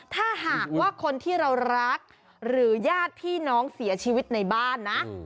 ถ้าหากว่าคนที่เรารักหรือญาติพี่น้องเสียชีวิตในบ้านนะ